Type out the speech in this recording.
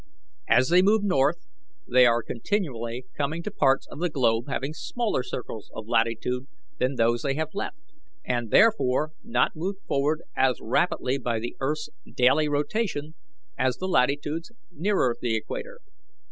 As they move north they are continually coming to parts of the globe having smaller circles of latitude than those they have left, and therefore not moved forward as rapidly by the earth's daily rotation as the latitudes nearer the equator.